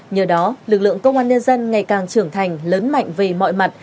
nhờ đó lực lượng công an nhân dân ngày càng trưởng thành lớn mạnh về mọi mặt